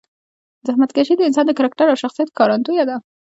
زحمتکشي د انسان د کرکټر او شخصیت ښکارندویه ده.